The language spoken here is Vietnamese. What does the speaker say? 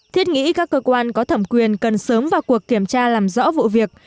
thiết nghĩ các cơ quan có thẩm quyền cần sớm vào cuộc kiểm tra làm rõ vụ việc